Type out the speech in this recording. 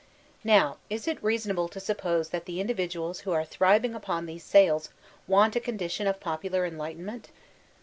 Now, is it reasonable to suppose that the individuals who are thriving upon these sales, want a condition of popular enlightenment?